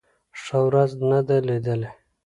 ښه ورځ نه ده لېدلې.